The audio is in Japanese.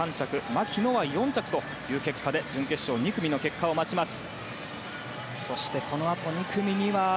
牧野は４着という結果で準決勝２組の結果を待ちます。